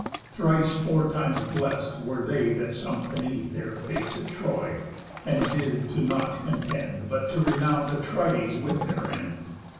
Thrice four times blest were they that sunk beneath Their fates at Troy, and did to nought contend But to renown Atrides with their end!